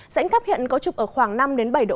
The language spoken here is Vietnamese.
sảnh tháp hiện có trục ở khoảng năm đến bảy độ